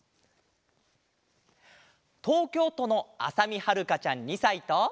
とうきょうとのあさみはるかちゃん２さいと。